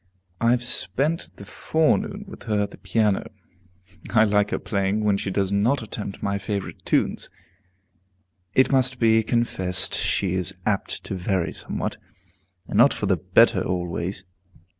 I have spent the forenoon with her at the piano. I like her playing when she does not attempt my favorite tunes. It must be confessed she is apt to vary somewhat, and not for the better always.